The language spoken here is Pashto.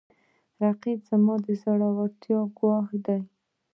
رقیب زما د زړورتیا ګواهي ده